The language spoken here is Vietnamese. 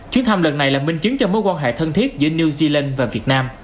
chuyến thăm lần này là minh chứng cho mối quan hệ thân thiết giữa new zealand và việt nam